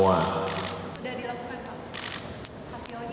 sudah dilakukan pak